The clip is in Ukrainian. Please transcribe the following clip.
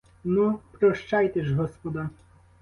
Ну, прощайте ж, господа.